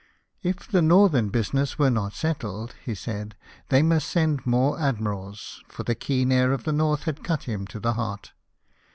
" If the northern business were not settled/' he said, " they must send more admirals, for the keen air of the north had cut him to the heart."